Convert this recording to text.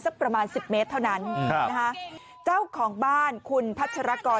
ประมาณสิบเมตรเท่านั้นครับนะฮะเจ้าของบ้านคุณพัชรกร